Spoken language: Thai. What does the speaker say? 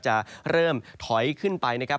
จะเริ่มถอยขึ้นไปนะครับ